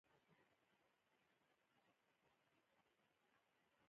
د پښتو ژبې د بډاینې لپاره پکار ده چې داخلي همغږي زیاته شي.